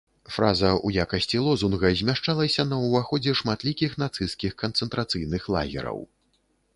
Фраза ў якасці лозунга змяшчалася на ўваходзе шматлікіх нацысцкіх канцэнтрацыйных лагераў.